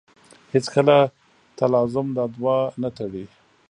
هېڅکله تلازم دا دوه نه تړي.